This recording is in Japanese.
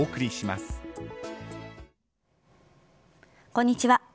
こんにちは。